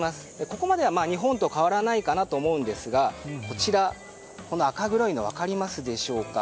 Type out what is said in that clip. ここまでは日本と変わらないかと思うんですが、こちら赤黒いの分かりますでしょうか。